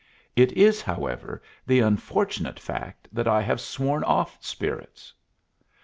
"It is, however, the unfortunate fact that I have sworn off spirits."